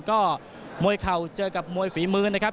ก็มวยเข่าเจอกับมวยฝีมือนะครับ